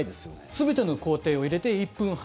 全ての工程を入れて１分半。